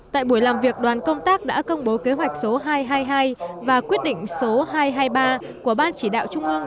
tại buổi làm việc đoàn công tác đã công bố kế hoạch số hai trăm hai mươi hai và quyết định số hai trăm hai mươi ba của ban chỉ đạo trung ương